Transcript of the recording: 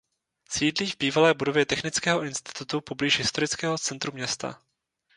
Sídlí v bývalé budově Technického institutu poblíž historického centru města.